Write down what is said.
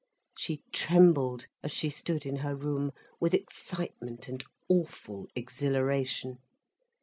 She trembled, as she stood in her room, with excitement and awful exhilaration.